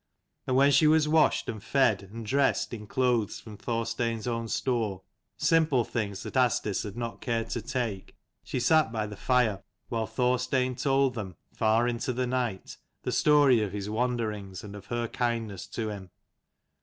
And when she was washed and fed, and dressed in clothes from Thorstein's own store, simple things that Asdis had not cared to take, she sat by the fire while Thorstein told them, far into the night, the story of his wanderings and of her kindness to him.